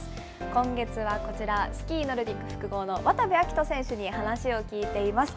今月はこちら、スキーノルディック複合の渡部暁斗選手に話を聞いています。